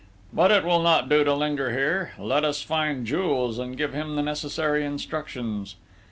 But it will not do to linger here ... let us find Jules and give him the necessary instructions!"